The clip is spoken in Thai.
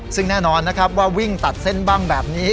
ซึ่งแน่นอนนะครับว่าวิ่งตัดเส้นบ้างแบบนี้